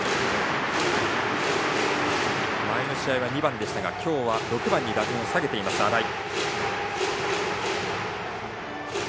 前の試合は２番でしたが今日は６番に打順を下げた新井。